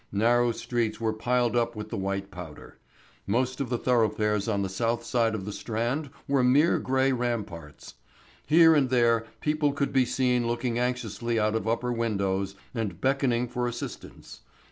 Narrow streets were piled up with the white powder. Most of the thoroughfares on the south side of the Strand were mere grey ramparts. Here and there people could be seen looking anxiously out of upper windows and beckoning for assistance.